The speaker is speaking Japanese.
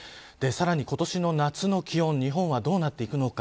さらに今年の夏の気温日本はどうなっていくのか。